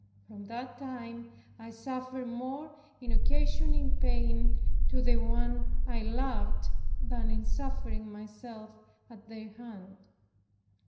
From that time I suffered more in occasioning pain to One I loved, than in suffering myself at their hand.